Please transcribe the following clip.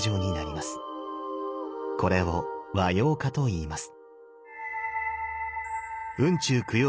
これを「和様化」と言います。